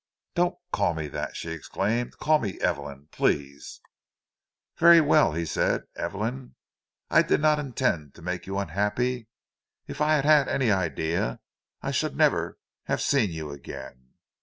"Don't call me that!" she exclaimed. "Call me Evelyn—please." "Very well," he said—"Evelyn. I did not intend to make you unhappy—if I had had any idea, I should never have seen you again.